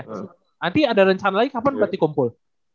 nanti ada rencana lagi kapan berarti kumpul